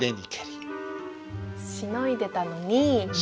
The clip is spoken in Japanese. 「しのんでたのに」。